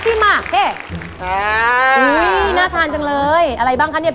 ดีมากเฮ้น่าทานจังเลยอะไรบ้างคะพี่บอล